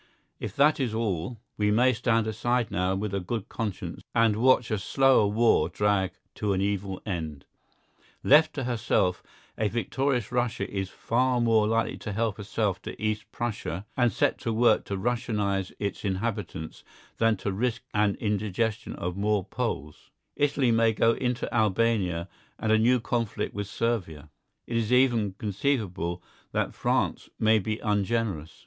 If that is all, we may stand aside now with a good conscience and watch a slower war drag to an evil end. Left to herself a victorious Russia is far more likely to help herself to East Prussia and set to work to Russianise its inhabitants than to risk an indigestion of more Poles; Italy may go into Albania and a new conflict with Servia; it is even conceivable that France may be ungenerous.